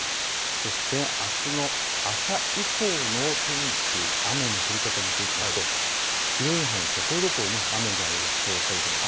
そしてあすの朝以降の天気、雨の降り方を見ていきますと広い範囲、ところどころ雨が予想されています。